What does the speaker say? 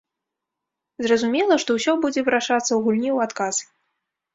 Зразумела, што ўсё будзе вырашацца ў гульні ў адказ.